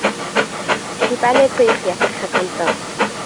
Aeth i ben y gwrych i edrych a gwrando.